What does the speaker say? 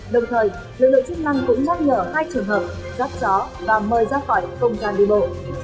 đồng thời lực lượng chức năng cũng nhắc nhở hai trường hợp rắt gió và mời ra khỏi không gian đi bộ